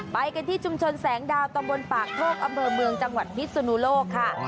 ไปกันที่ชุมชนแสงดาวตำบลปากโทกอำเภอเมืองจังหวัดพิศนุโลกค่ะ